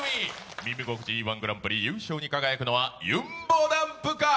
「耳心地いい−１グランプリ」、優勝に輝くのはゆんぼだんぷか？